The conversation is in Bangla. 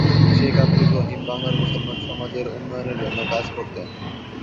শেখ আব্দুর রহিম বাংলার মুসলমান সমাজের উন্নয়নের জন্য কাজ করতেন।